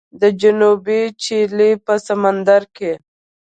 د جنوبي چیلي په سمندر کې